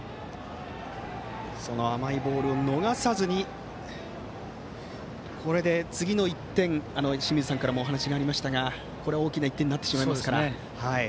甘いボールを逃さずにこれで次の１点清水さんからもお話がありましたが大きな１点になってしまいますから。